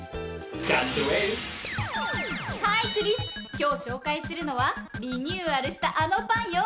今日紹介するのはリニューアルしたあのパンよ。